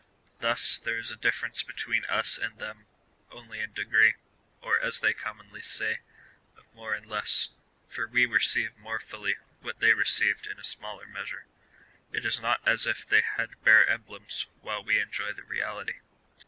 Thus there is a difference between vis and them only in de gree, or, (as they commonly say,) of " more and less,"' for we receive more fully what they received in a smaller measure. It is not as if they had had bare emblems, while we enjoy the reality.